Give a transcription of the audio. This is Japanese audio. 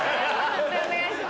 判定お願いします。